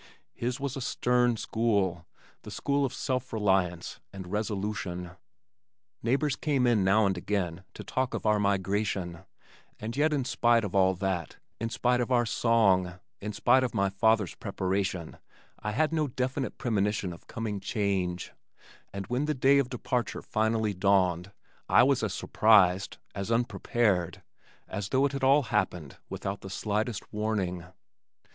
His was a stern school, the school of self reliance and resolution. Neighbors came in now and again to talk of our migration, and yet in spite of all that, in spite of our song, in spite of my father's preparation I had no definite premonition of coming change, and when the day of departure actually dawned, I was as surprised, as unprepared as though it had all happened without the slightest warning.